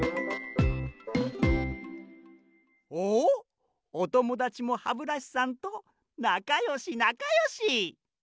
おっおともだちもハブラシさんとなかよしなかよし！